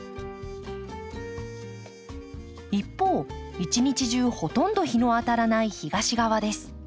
一方一日中ほとんど日の当たらない東側です。